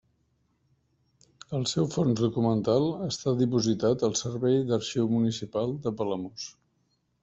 El seu fons documental està dipositat al Servei d'Arxiu Municipal de Palamós.